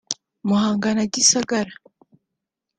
Muhanga na Gisagara